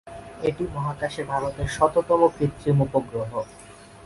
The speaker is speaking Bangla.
এটি মহাকাশে ভারতের শততম কৃত্রিম উপগ্রহ।